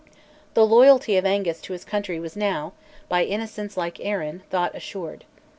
The loyalty of Angus to his country was now, by innocents like Arran, thought assured.